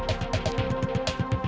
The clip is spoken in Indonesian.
selamat pagi pak